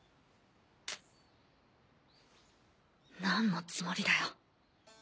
なんのつもりだよ？